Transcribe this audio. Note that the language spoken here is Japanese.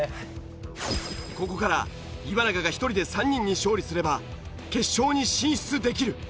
ここから岩永が１人で３人に勝利すれば決勝に進出できる。